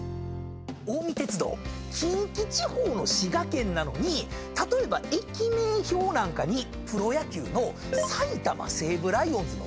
近江鉄道近畿地方の滋賀県なのに例えば駅名標なんかにプロ野球の埼玉西武ライオンズのマーク